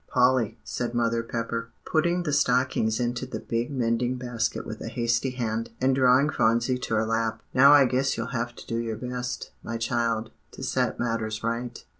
"Polly," said Mother Pepper, putting the stockings into the big mending basket with a hasty hand, and drawing Phronsie to her lap, "now I guess you'll have to do your best, my child, to set matters right.